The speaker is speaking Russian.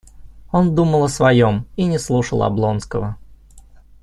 Он думал о своем и не слушал Облонского.